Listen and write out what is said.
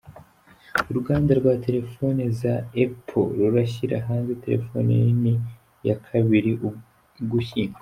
Uruganda rwa terefone za epo rurashyira hanze terefoni nini ku ya kabiri Ugushyingo